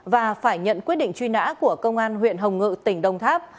và phải nhận quyết định truy nã của công an huyện hồng ngự tỉnh đông tháp